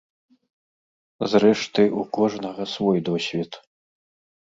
Зрэшты, у кожнага свой досвед.